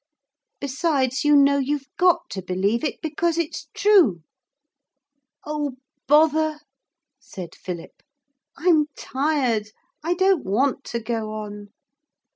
Besides, you know you've got to believe it, because it's true.' 'Oh, bother!' said Philip; 'I'm tired. I don't want to go on.'